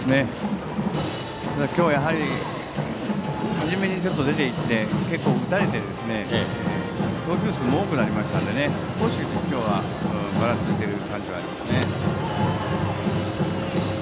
今日は初めにちょっと出ていって結構打たれて投球数も多くなりましたので少し今日はばらついている感じはありますね。